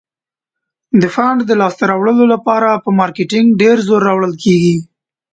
د فنډ د لاس ته راوړلو لپاره په مارکیټینګ ډیر زور راوړل کیږي.